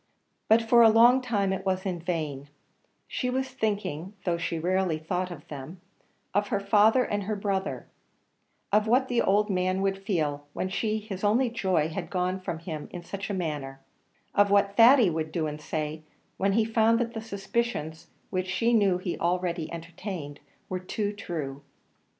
But for a long time it was in vain; she was thinking though she rarely thought of them of her father and her brother; of what the old man would feel, when she, his only joy, had gone from him in such a manner; of what Thady would do and say, when he found that the suspicions, which she knew he already entertained, were too true.